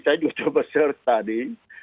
saya juga peser tadi